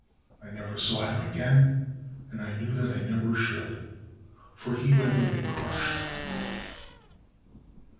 I never saw him again, and I knew that I never should — for he went away crushed.